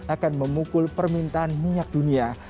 akan memukul permintaan minyak dunia